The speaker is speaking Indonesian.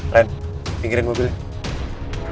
ren pinggirin mobilnya